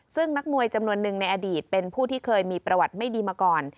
ซึ่งนักมวยจำนวนหนึ่งในอดีตเป็นผู้ที่เคยมีประวัติไม่ดีมาก่อน